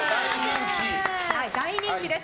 大人気です。